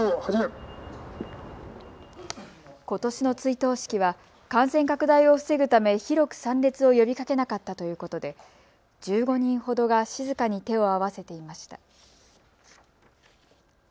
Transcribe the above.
ことしの追悼式は感染拡大を防ぐため広く参列を呼びかけなかったということで１５人ほどが静かに手を合わせていました。